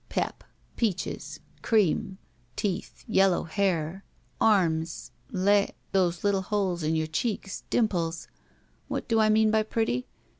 "Pep. Peaches. Cream. Teeth. Yellow hair. Arms. Le — those little holes in your cheeks. Dimples. What do I mean by pretty?